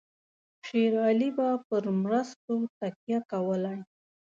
شېر علي به پر مرستو تکیه کولای.